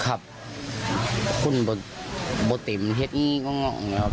ครับคุณบ่บ่ติมเฮ็ดงี้ก็ง่อนเนี่ยครับ